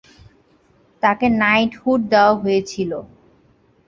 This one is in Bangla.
তাকে নাইটহুড দেওয়া হয়েছিল।